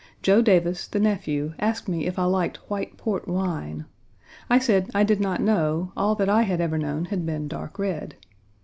Joe Davis, the nephew, asked me if I liked white port wine. I said I did not know; "all that I had ever known had been dark red."